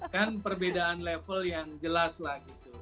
kan perbedaan level yang jelas lah gitu